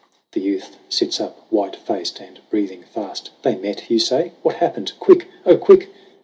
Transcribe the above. The youth sits up, white faced and breathing fast : "They met, you say ? What happened ? Quick ! Oh quick!"